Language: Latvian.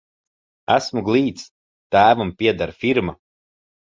Esmu glīts, tēvam pieder firma.